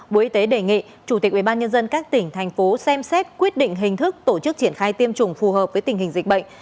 bộ y tế đề nghị chủ tịch ubnd các tỉnh thành phố xem xét quyết định hình thức tổ chức triển khai tiêm chủng phù hợp với tình hình dịch bệnh